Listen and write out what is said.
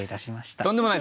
とんでもないです。